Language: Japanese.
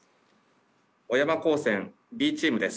小山高専Ｂチームです。